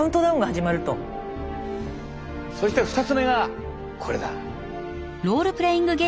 そして２つ目がこれだ。